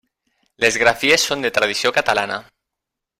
Les grafies són de tradició catalana.